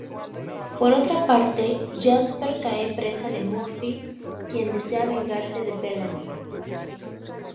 Por otra parte, Jasper cae presa de Murphy, quien desea vengarse de Bellamy.